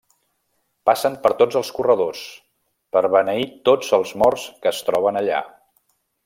Passen per tots els corredors, per beneir tots els morts que es troben allà.